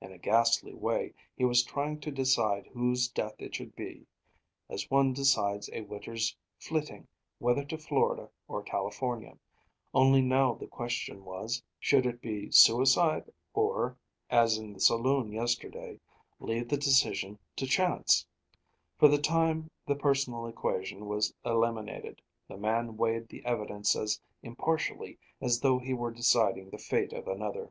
In a ghastly way, he was trying to decide whose death it should be, as one decides a winter's flitting, whether to Florida or California; only now the question was: should it be suicide, or, as in the saloon yesterday, leave the decision to Chance? For the time the personal equation was eliminated; the man weighed the evidence as impartially as though he were deciding the fate of another.